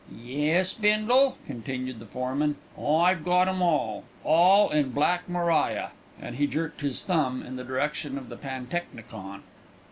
"Yes, Bindle," continued the foreman, "I've got 'em all all in Black Maria," and he jerked his thumb in the direction of the pantechnicon.